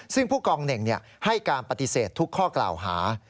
ซึ่งผู้กองเหน่งให้การปฏิเสธทุกข้อกล่าวหา